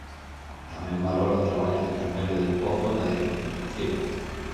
Tamén valora o traballo de Carmelo del Pozo na dirección deportiva.